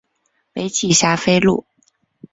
北起霞飞路。